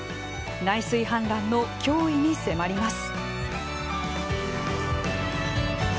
内水氾濫の脅威に迫ります。